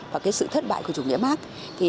và sự thất bại của chủ nghĩa mark